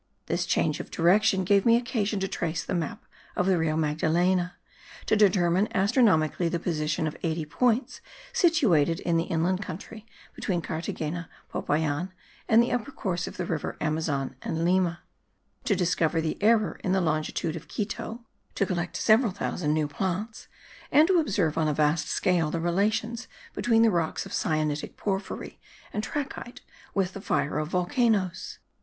This change of direction gave me occasion to trace the map of the Rio Magdalena, to determine astronomically the position of eighty points situated in the inland country between Carthagena, Popayan, and the upper course of the river Amazon and Lima, to discover the error in the longitude of Quito, to collect several thousand new plants, and to observe on a vast scale the relations between the rocks of syenitic porphyry and trachyte with the fire of volcanoes.